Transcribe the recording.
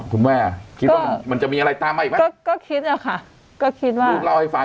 คุณแม่คิดว่ามันจะมีอะไรตามมาอีกไหมก็ก็คิดอะค่ะก็คิดว่าลูกเล่าให้ฟัง